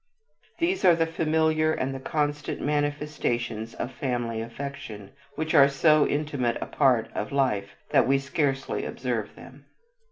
These are the familiar and the constant manifestations of family affection which are so intimate a part of life that we scarcely observe them.